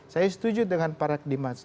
saya setuju dengan para kedimat